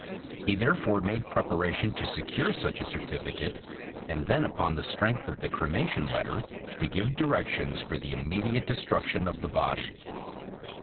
He therefore made preparation to secure such a certificate, and then upon the strength of the cremation letter to give directions for the immediate destruction of the body.